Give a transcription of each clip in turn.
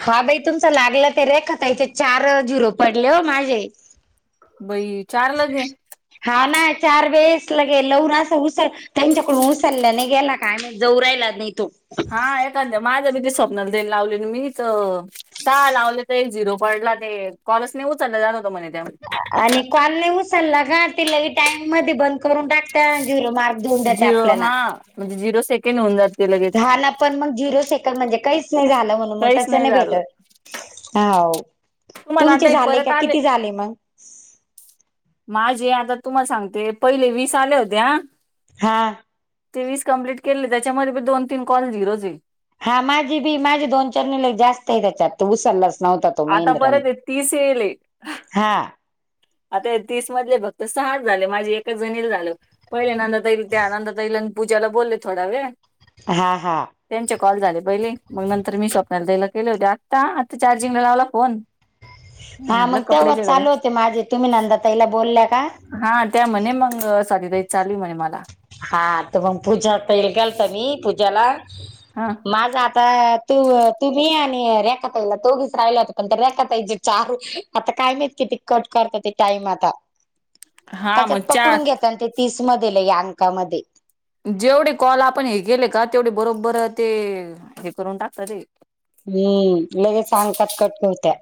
हा बाई तुमचा लागला. ते रेख चार झीरो पडले हो माझे. बई चार लगे. हा नाही चार वेळेस लगेल लवून असं उस त्यांच्याकडून उचलल्याने गेला का्ही जाऊ राहिला नाही तो. हा एखाद्या माझ्या मी स्वप्नाला देन लावले मी तर स लावले तर एक झिरो पडला ते कॉलेज नाही उचललं जाण होतं म्हणे त्या. आणि कॉन नाही उसलला ग त लग टाइम मध्ये बंद करून टाकत. झीरो मार्क देऊन दाते झिरो आपल्याला. हा म्हणजे झिरो सेकंड होऊन जात. ान पण मग झिरो सेकंड म्हणजे काहीच नाही झालं म्हणून मग काहीच नाही त्याच्याने झालं भेटत. हा तुम्हाला तुमचे आता हे झाले परत का? आले किती झाले मग? माझे आता तुम्हाला सांगते पहिले वीस आले होते. हा. ते वीस कंप्लीट केले. त्याच्यामध्ये दोन तीन कॉल झीरो जईल. हा माझी बी माझी दोन चार निले जास्त आहे त्याच्यात उसललाच नव्हत. आता बरत आहे तीस येल हे. हा आता तीस मधले फक्त सहाच झाले माझे. एकच जणी झाल पहिल्या नंतर तैल ते आनंद ताईला पूजाला बोलले थोडा वेळ. हां हां. त्यांचे कॉल झाले पहिले मग नंतर मी स्वप्नाला द्यायला केले होते. आत्ता आता चार्जिंगला लावला फोन हा म्हणलं मग तेव्हा कपड्याच्या गड्या चालू होते माझे. तुम्ही नंदा तईला बोलल्या का हा त्या म्हणे मग साधीताई चालू म्हणे मला हा तर मग पूजा ताईला केलता मी पूजाला. हा. माझा आता तू तुम्ही आणि रेखाताईला तोघीच राहिले होता. पण रेखाताईचे चारू आता काय मात किती कट करत ते टाइम आता? हा मग त्याच्यात चार पकडून घेत आणि ते तीस मध्ये ल या अंकामध्ये. जेवढे कॉल आपण हे केले का तेवढे बरोबर ते हे करून टाकत रे. हम्म लगे सांगतात कट करता.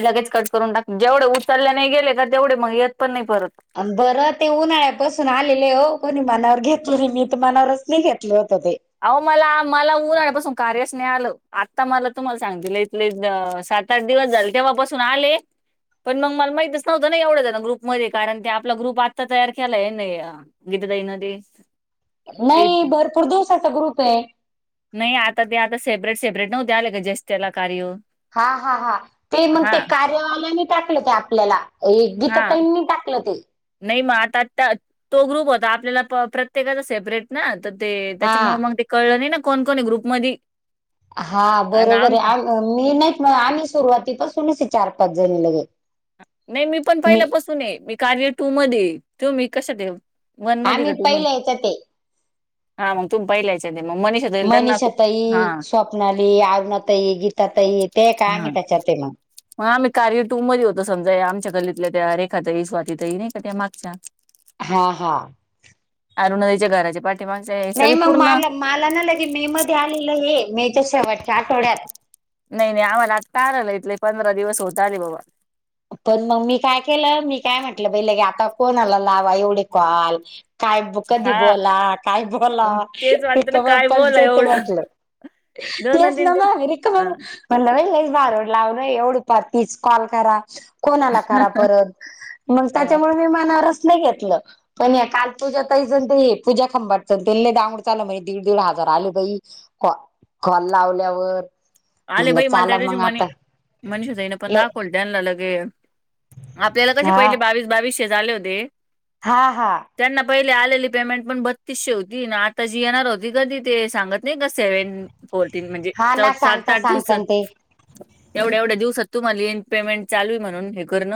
लगेच कट करून टाक जेवढे उतरल्या नाही गेले का तेवढे मग येत पण नाही परत. बरं ते उन्हाळ्यापासून आलेले आहे हो कोणी मनावर घेतलं नाही मी तर मनावरच नाही घेतलं होत ते. अहो मला मला उऊन्हाण्यापासून कार्यच नाही आलं आता मला तुम्हाला सांगते लई त लई सात आठ दिवस झाले तेव्हापासून आले. पण मग मला माहतीच नव्हं ना एवढंच ना ग्रुप मध्ये कारण ते आपला ग्रुप आत्ता तयार केलाय नाही विध दन ते. ते नाही भरपूर दिवसाचा ग्रुप आहे. नाही आता ते आता सेपरेट सेपरेट नव्हते आले का जेचे त्याला कार्य हा, हा, हा ते मग हा ते कार्यवाल्याने टाकलं ते आपल्याला. गीता हा ताईंनी टाकलं ते. नाही मग आता तो ग्रुप होता आपल्याला प्रत्येकाचा सेपरेट ना तर ते हा त्याच्यामुळ मग ते कळलं नाही ना कोण कोण ग्रुप मध्ये. हा बरोबर आहे आम मी नाहीत म आम्ही सुरुवातीपासूनच चार पाच जणी लगेत. नाही मी पण पहिल्यापसून आहे मी कार्य टू मध्ये, तुम्ही कशात आहे? वन मध्ये आम्ही का टू पहिल्या मध्ये याच्यात आहे हा मग तुम्ही पहिल्या हेच्यात आहे मग मनी मनीषा ताई, स्वप्नाली, अरुणा ताई, गीता ताई ते का आम्ही त्याच्यात आहे मग. ह आमही कार्यटूमध्ये होतो समजा आमच्या कल्लीतल्या त्या रेखाचाही स्वातीतही नाही का त्या मागच्या हा हा अरुणधच्या घराचे पा नाही मग मला मला ना लगे मे मध्ये आलेलं हे मेच्या शेवटच्या आठवड्यात नाही नाही आम्हालागता आला इथले पंधरा दिवस होत आ र बाबा पण मग मी काय केलं मी काय म्हटलं बाईला गे आता कोण आला लावा एवढे कॉल काय कधी हा बोला काय बोला मग तेच वाटतं ना काय बाप्पाला बोला ते ते एवढं वाटलं. दोन दोन तेच तीन ना तीन मगं रिकामं अ म्हणलं बाई लयच भारोड लावलं एवढं पर तीस कॉल करा. कोणाला करा परत मग अ त्याच्यामुळे मी मनावरच नाही घेतलं. पण या काल पूजा ताईचा ते पूजा खंबाातच त्यां दांगड चालं म्हणजे दीड दीड हजार आले बाई. क कॉल लावल्यावर आले म्हणलं बाई मला त्या चला दिवशी मग मनी आता मनीषा ताईने पण ल दाखवल. ले आपल्याला कसे हा पहिले बावीस बावीसशे झाले होते. हा हा, त्यांना पहिले आलेली पेमेंट पण बत्तीसशे होती आता जी येणार होती का ती ते सांगत नाही का सेवन फोर्टीन म्हणजे हा चौ ना सात सांगता आठ सांगता दिवसात ते एवढ्या एवढ्या दिवसात तुम्हाला येन पेमेंट चालू आहे म्हणून हे करण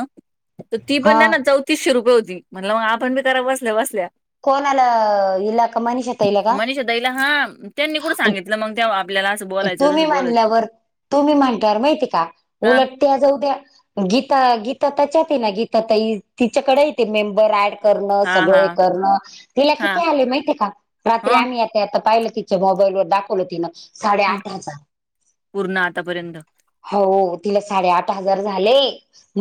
तर ती हा पण नाही ना चौतीसशे रुपये होती म्हटलं मग आपण बी करा बसल्या बसल्या. कोणाला हिला का मनीष ताईला का. मनीषा ताईला हा त्यांनी कुठं अन सांगितलं मग ते आपल्याला असं बोलायच. तुम्ही मानल्यावर तुम्ही म्हणल्यावर माहिती का हा उलट त्या जाऊद्या गीता गीता त्याच्यात आहे ना गीता त तिच्याकडे येते मेंबर ऍड करणं हा सगळ हा हे करण तिला हा किती आले माहितीय का रात्री हं आम्ही- ते आता पाहिलं तिंच्या मोबाईलवर दाखवलं तिंन साडे हं आठ हजार. पूर्ण आतापर्यंत हो तिला साडे आठ हजार झाले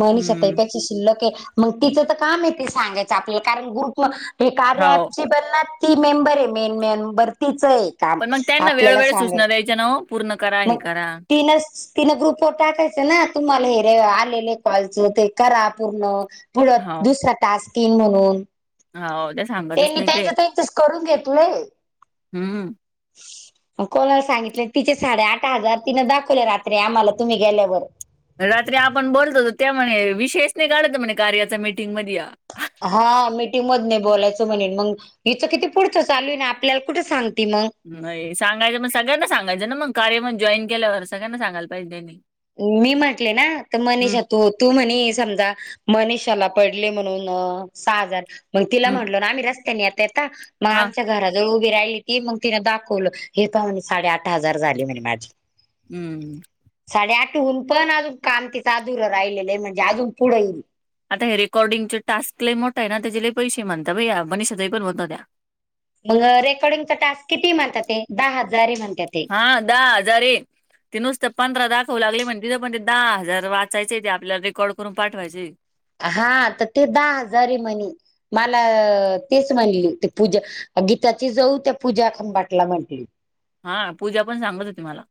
मनीषा ताई पण शिल्लक आहे मग तिच तर काम सांगायच आपल्याला कारण ग्रुप हे कार हाव फसिबल ना ती मेंबर आहे मेन मेंबर तिचं आहे. काम पण मग त्यांना आपल्याला वेळोवेळ सांगाय सूचना द्यायच्या ना हो पूर्ण करा हे मग करा तीनच तिन ग्रुप वर टाकायचं ना तुम्हाला हे रे आलेले कॉलच ते करा पूर्ण. परत हाव दुसरा टास्क येईल म्हणून. हाव त्या सांगतच त्यांनी नाही ते त्यांच त्यांचच करून घेतलंय. हम्म कोणाला सांगितले तिचे साडे आठ हजार तिन दाखवले रात्री आम्हाला तुम्ही गेल्यावर. रात्री आपण बोलतो त्या म्हणे विषयच नाही काढत म्हणे कार्याचा मीटिंग मध्ये या हा मीटिंग मध्ये नाही बोलायचं म्हणे, मग हिचं किती पुढचं चालू आहे ना आपल्याला कुठं सांगते मग. नाही सांगायचं मग सगळ्यांना सांगायं ना मग कार्य म्हण जॉईन केल्यावर सगळ्यांना सांगायला पाहिजे त्यांनी. मी म्हटले ना तर हम्म मनीषा तू तू म्हणे समजा मनिषाला पडले म्हणून सहा हजार मग तिला हम्म म्हटलो ना आम्ही रस्त्याने येता येता मग हा आमच्या घरात जवळ उभी राहिली ती मग तिला दाखवलं हे पाहा साडे आठ हजार झाली म्हणे माझी हम्म साडेआठहून पण अजून काम तिचं अधूर राहिलेलं आहे म्हणजे अजून पुढे येईल. आता हे रेकॉडिंग टास्क लई मोठं आहे ना त्याचे पैसे म्हणता बाई मनीषा ताई पण म्हणतं होत्या. मग रेकॉर्डिंग टास्क किती म्हणतात ते दहा हजार ये म्हणतात. ते हा दहा हजारे. ते नुसतं पंधरा दाखवू लागले म्हणजे तिथे पण ते दहा हजार वाचायचे ते आपल्याला रेकॉर्ड करून पाठवायचे. हा तर ते दहा हजार येईल म्हणे मला तेच म्हणले ते पूजा गीताची जाऊ त्या पूजा खंबाटला म्हटली हा पूजा पण सांगत होती मला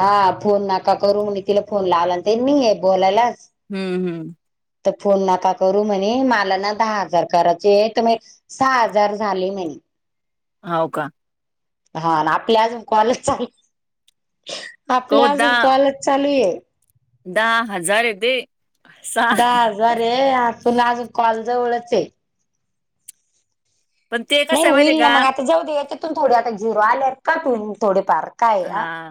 हा फोन नका करू म्हणे तिला फोन लावला तेनी आहे बोलायला हम्म हम्म तर फोन नाका करू म्हणे मला ना दहा हजार करायचे आहे तर मी सहा हजार झाले म्हणे. हाव का? हा आपले अजून कॉलच को दहा चालू आहे दहा हजार येते. दहा हजारे आपल अजून कॉलजवळच ये. पण ते नाही कसं आहे माहितीये होईल ना का मग आता जाऊ दे याच्यातून थोडे आता झिरो आलेत का तुम्ही थोडे फार. हा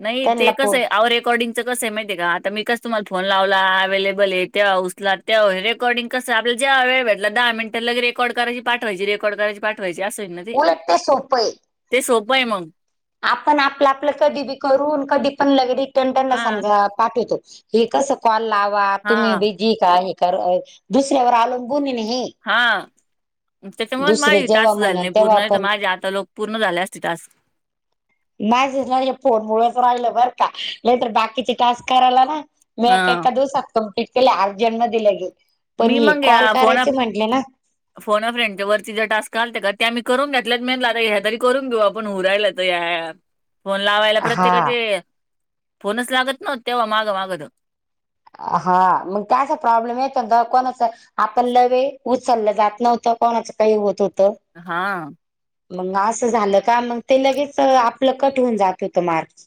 नाही ते कसं पो आहे आहो रेकॉर्डिंग त्याच कसं आहे माहितीय का आता मी कसं तुम्हाला फोन लावला अव्हेलेबल आहे तेवा उचलाल तेवा हे रेकॉडिंग कस आपल्याला जेव्हा वेळ भेटला दहा मिनट रेकॉर्ड करायची पाठवायची रेकॉर्ड करायची पाठवायची असंय ना. उलट ते सोप आहे ते सोपं आहे मग ते आपण आपलं आपलं कधी बी करून कधी पण लगेच रिटर्न त्यांना हा समजा पाठवितो. हे कसं कॉल लावा तुम्ही हा बिझी का हे करा दुसऱ्यावर अवलंबून आहे ना हे. हा त्याच्यामुळे दुसरे माझी जेव्हा टास्क झाली म्हणल नाही तेव्हा पूर्ण तर आपण माझे आता लोक पूर्ण झाल्या असते टास्क. माझे पण ना हे फोन मुळंच राहिलं बर का नाही तर बाकीचे टास्क करायला ना मी एका हा एका दिवसात कम्प्लीट केले अर्जंट मध्ये लगेच पण मी ये मग या कॉल फोन करायचे म्हटले ना फोन अ फ्रेंडच्या वरती जे टास्क आलते का ते आपण करून घेतल्यात म्हणलं आता ह्या तरी करून घेऊ आपण होऊ राहील तर. दया फोन लावायला हा. प्रत्येकाचे फोनच लागतं नव्हते तेव्हा माग माग हा मग काय असा प्रॉब्लेम येत कोणाचा आपण लवे उचललं जात नव्हतं कोणाचं काही होत होतं. हा मग असं झालं का मग ते लगेच आपलं कट होऊन जात होतं माग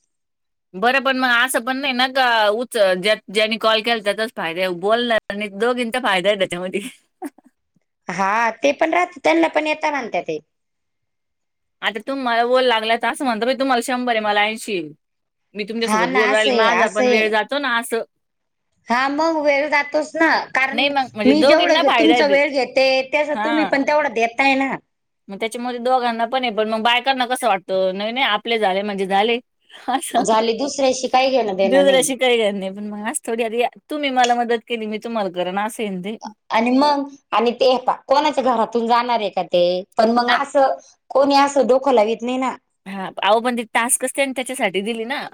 बरं पण मग असं पण नाही ना का उचल ज्या ज्यांनी कॉल केला त्यातच फायदा ये बोलणाऱ्या आणि दोघींचा फायदा आहे त्याच्यामध्ये हा ते पण राहत त्यांना पण येेत म्हणता ते आता तुम्ही मला बोलू लागल्यात तर असं म्हणता म तुम्हाला शंभर आहे मला ऐंशी. मी हा तुमच्यासोबत ना बोलू राहिले असंय माझा असंय. वेळ जातो ना असं. हा मग वेळ जातोस ना कारण नाही मग म्हणजे मी दोघींना जेवढं फायदा आहे तुमचा ते. वेळ घेते त्या तुम्ही हा पण तेवढं देताय ना. मग त्याच्यामध्ये दोघांना पण आहे पण मग बायकांना कसं वाटतं नाही नाही आपले झाले म्हणजे झाले. अस झाली दुसऱ्याशी काही घेणं देणं नाही दुसऱ्याशी काय घेणं नाही पण असं थोडी आर तुम्ही मला मदत केली मी तुम्हाला करेल ना असं आहे ते आणि मग आणि ते कोणाच्या घरातून जाणार आहे का ते पण मग आ- असं कोणी असं डोकं लावीत नाही ना हा आहो पण ते टास्क असतय त्याच्यासाठी दिली ना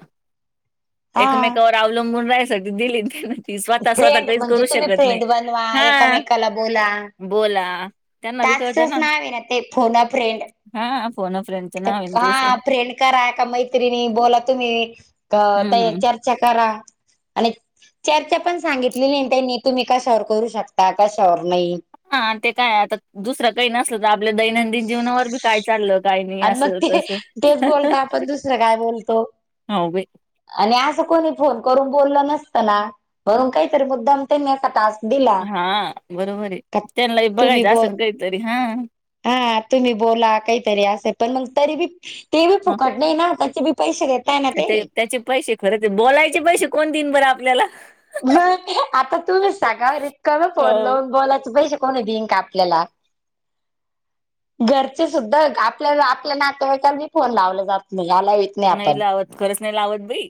हा. एकमेकावर अवलंबून राहायसाठी दिली त्यानी फ्रेंड म्हणजे तुम्ही फ्रेंड बनवा हा एकामेकाला बोला. बोला त्यांना बी कळतं टास्कचच नाव आहे ना ते फोन अ फ्रेंड हा फोन अ फ्रे हा फ्रेंड करा का मैत्रिणी बोला तुम्ही ते हम्म ह्यच्या च्या करा आणि चर्चा पण सांगितलेली त्यांनी तुम्ही कशावर करू शकता आणि कशावर नाही. हा ते तर आहे. आता दुसरं काही नसल तर आपल्या दैनंदिन जीवनावर बी काय चाललं? काही नाही आणि अस मग ते तस तेच बोलता आपण दुसरं काय बोलतो हहह होउ बे आणि असं कोणी फोन करून बोललं नसतं ना म्हणून काहीतरी मुद्दाम त्यांनी असा टास्क दिला हा! बरोबर आहे. का त्याना तुम्ही बघायचं बोल असेल काहीतरी हा हा तुम्ही बोला काहीतरी असे, पण मग तरी बी ते बी हा फुकट नाही ना त्याचे बी पैसे ना ते त्याचे पैसे खरच बोलायचे पैसे कोण दिन बरं आपल्याला मग आता तुम्ही सांगा कमी फोन हो लावून बोलायच पैसे कोण देईल का आपल्याला घरचे सुद्धा आपल्याला आपल्या नातेवाईकला फोन लावला जात नाही या लाय नाही लावत खरंच नाही लावत बाई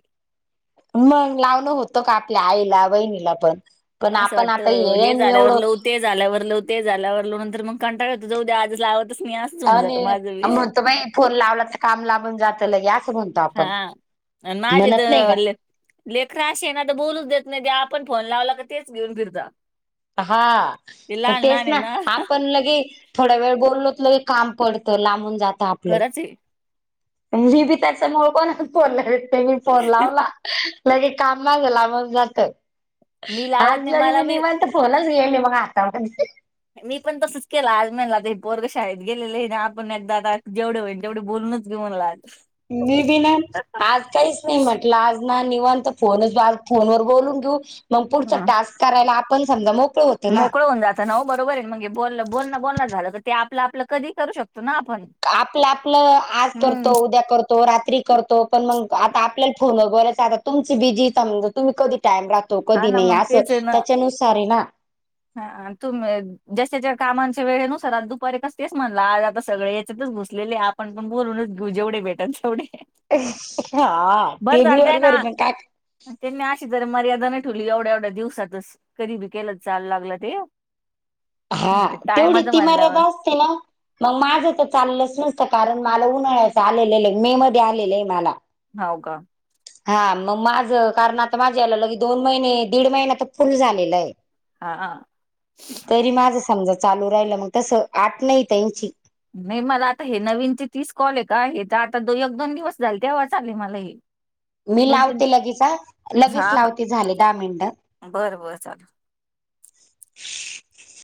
मग लावण होतं का आपल्या आईला, बहिणीला पण पण असं आपण आता वाटतं हे झाल्यावर एवढं लव ते झाल्यावर लव ते झाल्यावर लाव नंतर मग कंटाळा हो जाऊ द्या आज लावतच मी आणि म्हणतो बाई फोन लावला तर काम लांबून जातं लगे असं म्हणत हा आपण. अन माझेत नाही का लेकर अशी आहेत ना तर बोलूच देत नाही त्या आपण फोन लावला का तेच घेऊन फिरता. हा ते लहान तेच लहान आहे ना आपण लगे थोड्या वेळ बोलल होतलं की काम पडतं, लांबून जात. घराचे मी बी त्याचा मूळ कोणा फोन ला ते मी फोन लावला. लगे काम माझ लांबून जात मी लावत आज नाही लग मला मी बी निवांत फोनच घेईल मी मग हाता मध्ये मी पण तसच केलं आज म्हणल पोरग शाळेत गेलेले आहे आपण एकदा आता जेवढे होईल तेवढे बोलूनच घेऊ म्हणलं आज मी बी ना आज काहीच नाही म्हटलं आज ना निवांत फोन फोन वर बोलून घेऊ मग पुढचा टास्क करायला आपण समजा मग मोकळ होवून जात ना हो बरोबर आहे मे बोल बोल बोलण झालं तर ते आपलं आपलं कधी करू शकतो. ना आपण. आपलं आपलं आज करतो, हम्म उद्या करतो. रात्री करतो पण मग आता आपल्याला फोनवर बोलायच आता तुमच बिजी तुम्ही कधी टाइम का तो हा कधी ना नाही मग असं त्याच्यानुसार हे ना हा तुम् जश्याच्या कामाच्या वेळे नुसार दुपारीकच तेच म्हणला आज आता सगळ याच्यातच घूस सलेले आपण पण बोलूनच जेवढे भेटन तेवढे हा बरं ते बी चालतंय ना बरोबर मग काका त्यांनी अशी तर मर्यादा न ठेवली एवढ्या एवढ्या दिवसातच कधी बी केलं चाल लागलं ते हा म्हणजे ते तेवढी टायमाचं ती म्हणल्यावर मर्यादा असते ना मग माझ तर चाललंच नसतं कारण मला उन्हाळ्याचं आलेलं आहे मे मध्ये आलेलं आहे मला हो का हा मग माझं कारण आता माझ्या याला ल दोन महिने दीड महिना तर फुल झालेला आहे. हा. तरी माझं समजा चालू राहिलं मग तसं अट नाही त्यांची नाही मला आता हे नवीनचे तीस कॉल आहे का हे तर आता एक दोन दिवस झाले तेव्हाच आले मला हे मी दोन तीन लावते लगेच हां लगेच हां. लावते झाले दहा मिनटं बरं बर चाल